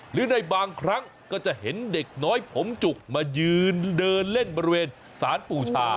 หรือในบางครั้งก็จะเห็นเด็กน้อยผมจุกมายืนเดินเล่นบริเวณสารปู่ชา